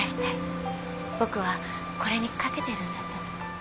「僕はこれに懸けてるんだ」と。